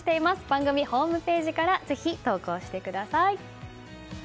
番組ホームページからぜひ投稿してください。